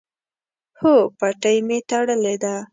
هو، پټۍ می تړلې ده